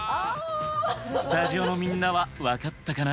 スタジオのみんなは分かったかな？